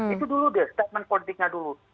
itu dulu deh statement politiknya dulu